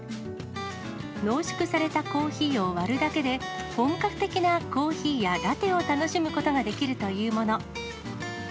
濃縮されたコーヒーを割るだけで、本格的なコーヒーやラテを楽しむことができるというもの。